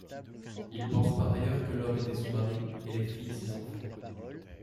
Ils pensent par ailleurs que l'homme était son mari et les filles ses enfants.